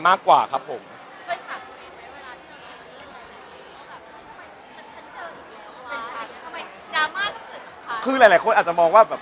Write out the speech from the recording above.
คำถามถี่เหลื่อ